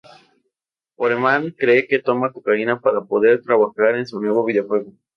Foreman cree que toma cocaína para poder trabajar en su nuevo videojuego.